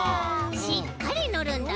しっかりのるんだぞう。